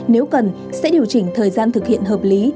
nếu cần sẽ điều chỉnh thời gian thực hiện hợp lý